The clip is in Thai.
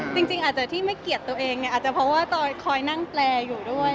จริงอาจจะที่ไม่เกลียดตัวเองเนี่ยอาจจะเพราะว่าตอยคอยนั่งแปลอยู่ด้วย